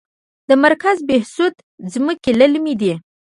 مرکز بهسود ځمکې للمي دي؟